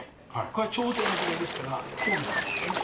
これは朝廷の時代ですから公の時代ですよね。